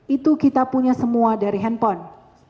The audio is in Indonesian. itu kita punya semua dari handphone